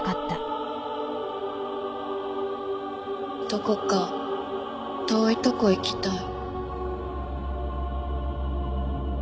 どこか遠いとこ行きたい。